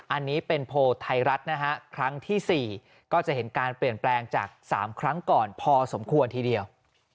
อันนี้เป็นโพลไทยรัฐนะฮะครั้งที่๔ก็จะเห็นการเปลี่ยนแปลงจาก๓ครั้งก่อนพอสมควรทีเดียว